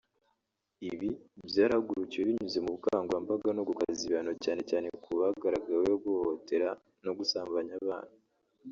Ibi byarahagurukiwe binyuze mu bukangurambaga no gukaza ibihano cyane cyane ku bagaragaweho guhohotera no gusambanya abana